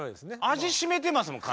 味占めてますもん。